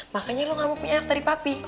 makanya lo gak mau punya anak dari papi